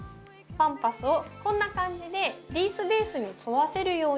パンパスをこんな感じでリースベースに沿わせるようにして巻いていきます。